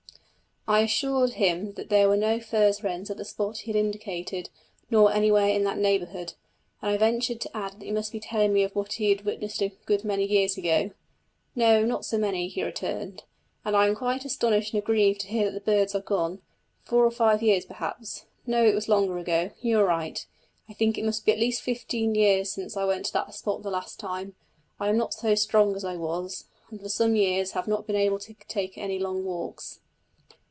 I assured him that there were no furze wrens at the spot he had indicated, nor anywhere in that neighbourhood, and I ventured to add that he must be telling me of what he had witnessed a good many years ago. "No, not so many," he returned, "and I am astonished and grieved to hear that the birds are gone four or five years, perhaps. No, it was longer ago. You are right I think it must be at least fifteen years since I went to that spot the last time. I am not so strong as I was, and for some years have not been able to take any long walks."